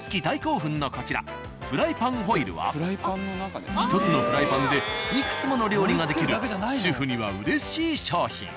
大興奮のこちらフライパンホイルは１つのフライパンでいくつもの料理ができる主婦にはうれしい商品。